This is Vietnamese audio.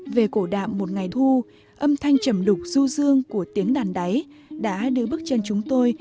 về cổ đạm một ngày thu âm thanh chầm lục du dương của tiếng đàn đáy đã đưa bước chân chúng tôi